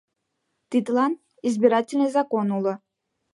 — Тидлан избирательный закон уло.